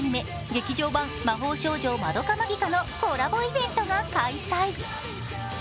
「劇場版魔法少女まどか☆マギカ」のコラボイベントが開催。